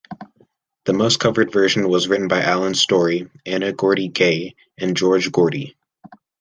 The most-covered version was written by Allen Story, Anna Gordy Gaye, and George Gordy.